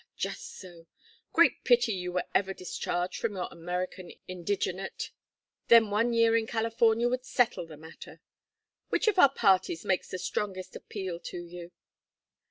"Ah! Just so! Great pity you were ever discharged from your American indigenate. Then one year in California would settle the matter. Which of our parties makes the strongest appeal to you?"